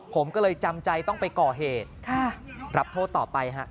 ผมก็เลยจำใจต้องไปก่อเหตุรับโทษต่อไปฮะ